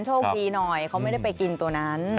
โชคดีหน่อยเขาไม่ได้ไปกินตัวนั้น